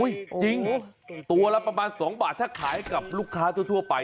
จริงตัวละประมาณ๒บาทถ้าขายกับลูกค้าทั่วไป